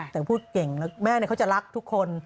แต่พูดเก่งแล้วแม่เขาจะรักทุกคน